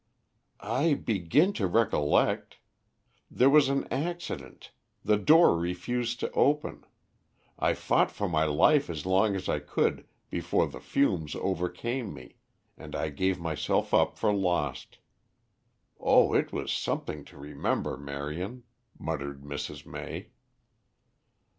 "I begin to recollect. There was an accident; the door refused to open; I fought for my life as long as I could before the fumes overcame me, and I gave myself up for lost. Oh, it was something to remember, Marion," muttered Mrs. May.